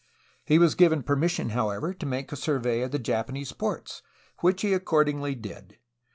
He was given permission, how ever, to make a survey of Japanese ports, which he accord ingly did.